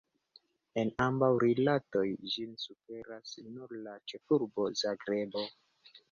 En ambaŭ rilatoj ĝin superas nur la ĉefurbo Zagrebo.